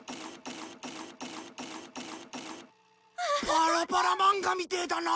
パラパラ漫画みてえだな。